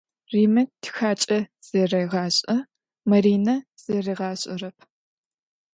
Rime txaç'e zerêğaş'e, Marine zeriğaş'erep.